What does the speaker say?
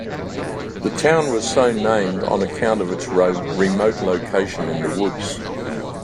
The town was so named on account of its remote location in the woods.